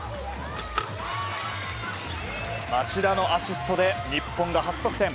町田のアシストで日本が初得点。